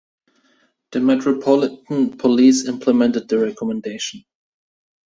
The Metropolitan Police implemented the recommendation.